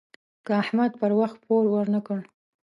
که احمد پر وخت پور ورنه کړ.